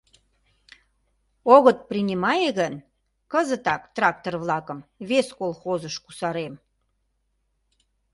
— Огыт принимае гын, кызытак трактор-влакым вес колхозыш кусарем.